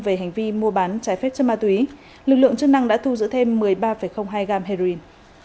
về hành vi mua bán trái phép chất ma túy lực lượng chức năng đã thu giữ thêm một mươi ba hai gam heroin